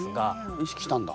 意識したんだ？